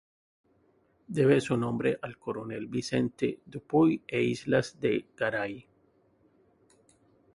Debe su nombre al Coronel Vicente Dupuy e Islas de Garay.